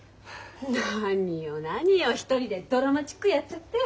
何よ何よ一人でドラマチックやっちゃって。